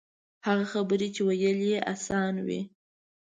هغه خبرې چې ویل یې آسان وي.